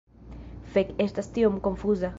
Fek, estas tiom konfuza…